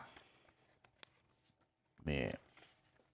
ที่สำคัญคือช่วงถ่ายรูปที่ส่งมาให้ดูอยู่ในพระเหลืองนะครับ